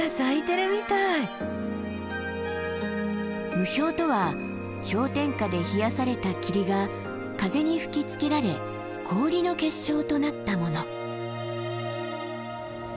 霧氷とは氷点下で冷やされた霧が風に吹きつけられ氷の結晶となったもの。